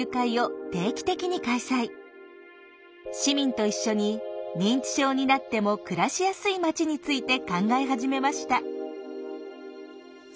市民と一緒に認知症になっても暮らしやすい町について考え始めました。